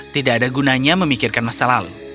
tidak ada gunanya memikirkan masa lalu